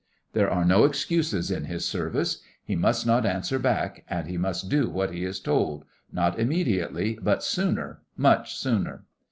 There are no excuses in his Service. He must not answer back; and he must do what he is told—not immediately, but sooner, much sooner.